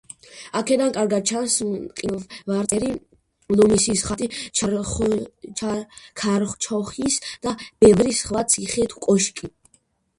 აქედან კარგად ჩანს მყინვარწვერი, ლომისის ხატი, ქარჩოხის და ბევრი სხვა ციხე თუ კოშკი.